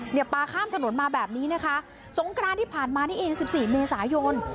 เนี่ยป่าข้ามถนนมาแบบนี้นะคะสงครามที่ผ่านมาเนี่ยเอง๑๔เมษายน